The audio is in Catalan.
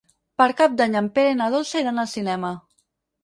Per Cap d'Any en Pere i na Dolça iran al cinema.